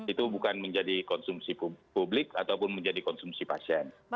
itu bukan menjadi konsumsi publik ataupun menjadi konsumsi pasien